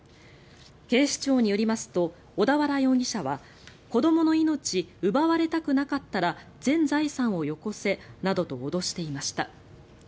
警視庁によりますと小田原容疑者は子どもの命奪われたくなかったら全財産をよこせなどと脅していました。